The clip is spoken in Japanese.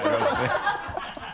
ハハハ